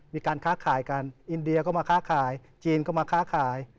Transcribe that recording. มีการค้าขายกันอินเดียก็มาค้าขายจีนก็มาค้าขาย